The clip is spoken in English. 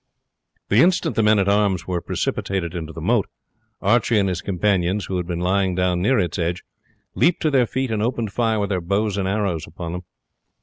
The instant the men at arms were precipitated into the moat, Archie and his companions, who had been lying down near its edge, leapt to their feet, and opened fire with their bows and arrows upon them.